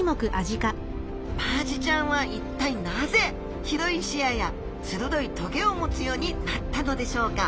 マアジちゃんは一体なぜ広い視野や鋭い棘を持つようになったのでしょうか？